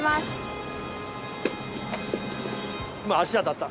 今足当たった。